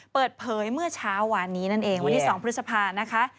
เปิดเผยเมื่อเช้าวานนี้นั่นเองวันที่๒พฤษภานะคะ